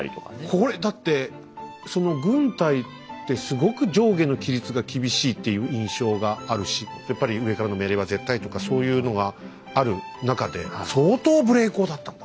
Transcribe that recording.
これだって軍隊ってすごく上下の規律が厳しいっていう印象があるしやっぱり上からの命令は絶対とかそういうのがある中で相当無礼講だったんだ。